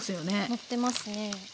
載ってますね。